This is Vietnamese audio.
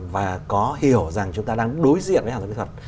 và có hiểu rằng chúng ta đang đối diện với hàng hóa kỹ thuật